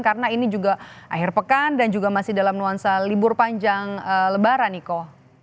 karena ini juga akhir pekan dan juga masih dalam nuansa libur panjang lebaran niko